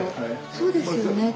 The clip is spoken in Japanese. そうですよね。